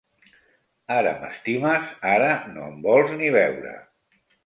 Ara m'estimes, ara no em vols ni veure.